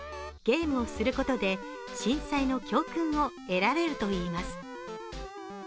ゲームをすることで震災の教訓を得られるといいます。